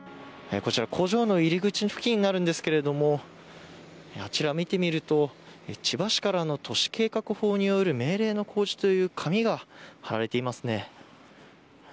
こちら、工場の入り口付近になるんですけどあちら見てみると千葉市からの都市計画法による命令の公示という紙が貼られていますね。